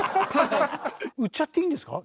売っちゃっていいんですか？